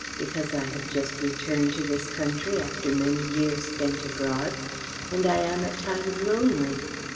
"Because I have just returned to this country after many years spent abroad, and I am at times lonely.